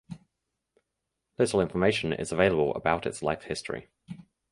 Little information is available about its life history.